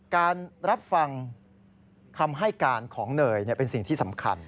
การรับฟังคำให้การของเนยเป็นสิ่งที่สำคัญ